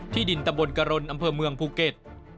ที่ดินตำบลกระรนอำเภอเมืองภูเก็ต